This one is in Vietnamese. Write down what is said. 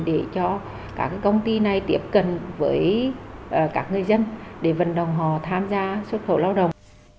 để cho các công ty này tiếp cận với các người dân để vận động họ tham gia xuất khẩu lao động